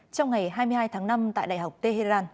trong ngày hai mươi hai tháng năm tại đại học tehran